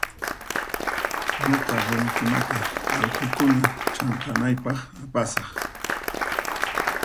Nuqa rumikunata allqukuna chanqanaypaq apasaq.